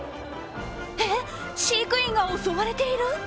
えっ、飼育員が襲われている！？